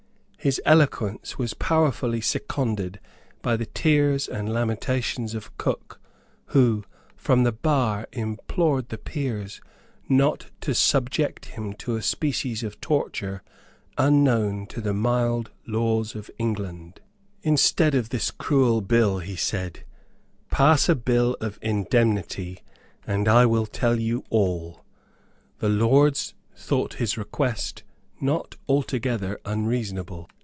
His eloquence was powerfully seconded by the tears and lamentations of Cook, who, from the bar, implored the Peers not to subject him to a species of torture unknown to the mild laws of England. "Instead of this cruel bill," he said, "pass a bill of indemnity; and I will tell you all." The Lords thought his request not altogether unreasonable.